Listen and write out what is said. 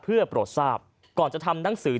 เพื่อโปรดทราบก่อนจะทำหนังสือ